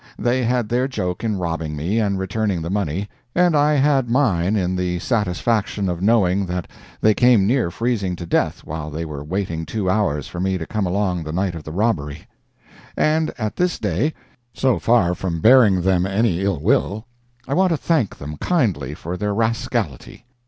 They had their joke in robbing me and returning the money, and I had mine in the satisfaction of knowing that they came near freezing to death while they were waiting two hours for me to come along the night of the robbery. And at this day, so far from bearing them any ill will, I want to thank them kindly for their rascality.